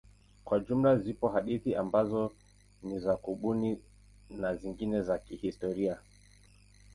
Kwa jumla zipo hadithi ambazo ni za kubuni na zingine za kihistoria.